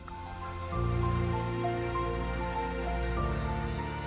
kota padang jawa tenggara